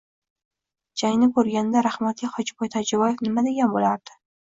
Jangni koʻrganda rahmatli Hojiboy Tojiboyev nima degan boʻlardi?